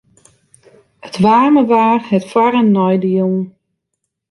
It waarme waar hat foar- en neidielen.